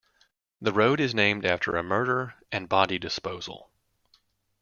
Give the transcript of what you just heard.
The road is named after a murder and body disposal.